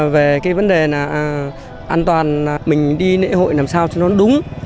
về cái vấn đề là an toàn mình đi lễ hội làm sao cho nó đúng